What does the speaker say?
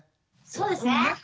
そうですね。